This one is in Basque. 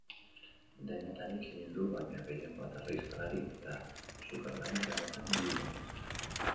Denetarik egin du, baina gehien bat argazkilari eta sukaldari lanetan ibili da.